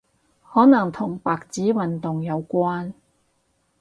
可能同白紙運動有關